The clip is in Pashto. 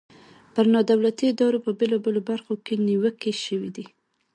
پر نا دولتي ادارو په بیلابیلو برخو کې نیوکې شوي دي.